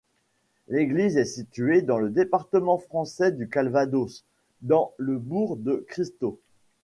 L'église est située dans le département français du Calvados, dans le bourg de Cristot.